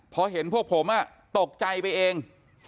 พอเห็นพวกผมตกใจไปเอง